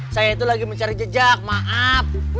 saya itu lagi mencari jejak maaf